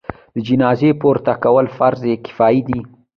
د جنازې پورته کول فرض کفایي دی.